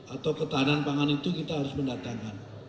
atau ketahanan pangan itu kita harus mendatangkan